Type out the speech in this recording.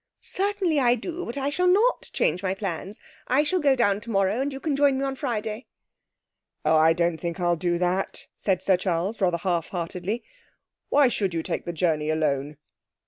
'Certainly I do, but I shall not change my plans. I shall go down tomorrow, and you can join me on Friday.' 'Oh, I don't think I'll do that,' said Sir Charles, rather half heartedly. 'Why should you take the journey alone?'